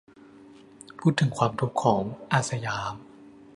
พูดถึงความทุกข์ของ "อาสยาม"